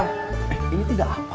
eh ini tidak apa